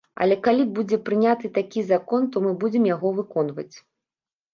Але калі будзе прыняты такі закон, то мы будзем яго выконваць.